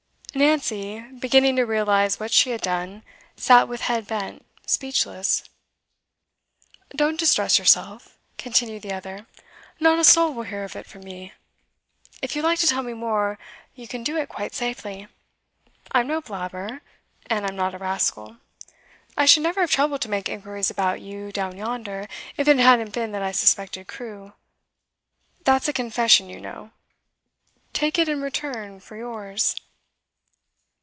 Nancy, beginning to realise what she had done, sat with head bent, speechless. 'Don't distress yourself,' continued the other. 'Not a soul will hear of it from me. If you like to tell me more, you can do it quite safely; I'm no blabber, and I'm not a rascal. I should never have troubled to make inquiries about you, down yonder, if it hadn't been that I suspected Crewe. That's a confession, you know; take it in return for yours.